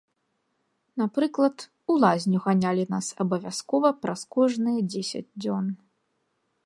Напрыклад, у лазню ганялі нас абавязкова праз кожныя дзесяць дзён.